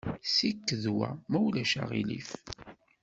Ssiked wa, ma ulac aɣilif.